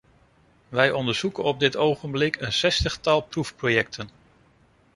Wij onderzoeken op dit ogenblik een zestigtal proefprojecten.